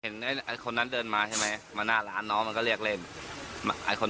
นี่หันหลังเว้ยโชว์ลูกดอกไอนั่นก็แทง